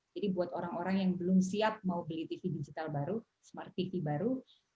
jadi buat orang orang yang belum siap mau beli tv digital baru smart tv baru